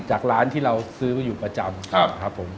จากร้านที่เราซื้อว่าอยู่ประจำครับ